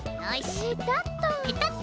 ペタッと。